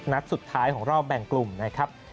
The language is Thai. นัดสุดท้ายของรอบแบ่งกลุ่มนะครับ